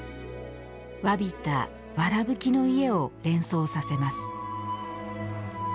侘びたわらぶきの家を連想させます。